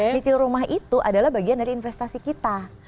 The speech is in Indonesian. nyicil rumah itu adalah bagian dari investasi kita